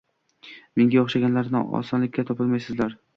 Menga o‘xshaganlarni osonlikcha topolmaysizlar